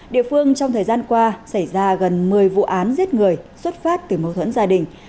địa phương trong thời gian qua xảy ra gần một mươi vụ án giết người xuất phát từ mâu thuẫn gia đình